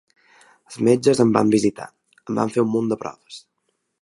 Els metges em van visitar, em van fer un munt de proves.